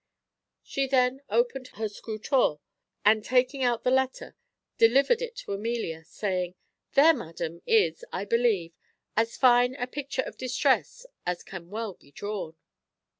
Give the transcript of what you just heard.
She then opened her scrutore, and, taking out the letter, delivered it to Amelia, saying, "There, madam, is, I believe, as fine a picture of distress as can well be drawn."